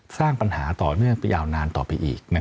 สร้างปัญหาต่อเนื่องไปยาวนานต่อไปอีก